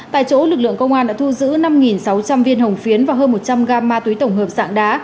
tại chỗ lực lượng công an đã thu giữ năm sáu trăm linh viên hồng phiến và hơn một trăm linh gam ma túy tổng hợp sạng đá